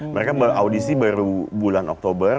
mereka mengaudisi baru bulan oktober